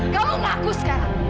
kamu ngaku sekarang